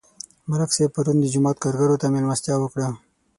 ملک صاحب پرون د جومات کارګرو ته مېلمستیا وکړه.